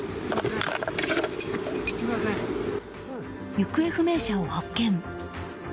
行方不明者を発見。